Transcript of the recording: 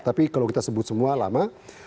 tapi kalau kita sebut semua lama